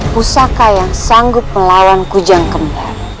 pusaka yang sanggup melawan kujang kembar